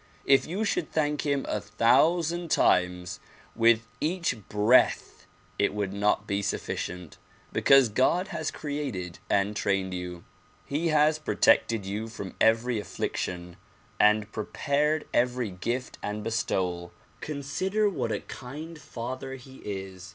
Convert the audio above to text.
If you should thank him a thousand times with each breath it would not be sufficient, because God has created and trained you. He has protected you DISCOURSES DELIVERED IN NEW YORK 183 from every affliction and prepared every gift and bestowal. Con sider, what a kind father he is.